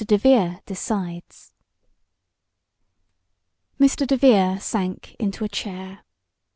DEVERE DECIDES Mr. DeVere sank into a chair.